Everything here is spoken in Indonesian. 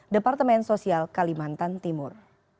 departemen sosial kalimantan timur